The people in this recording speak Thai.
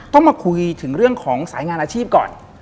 ต้องมาคุยถึงเรื่องของสายงานอาชีพก่อน